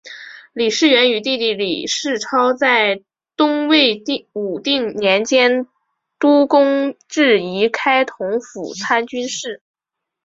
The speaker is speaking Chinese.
李士元与弟弟李士操在东魏武定年间都官至仪同开府参军事。